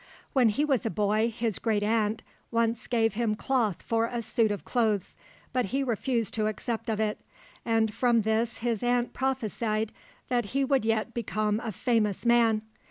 When he was a boy his great aunt once gave him cloth for a suit of clothes, but he refused to accept of it, and from this his aunt prophesied that he would yet become a famous man.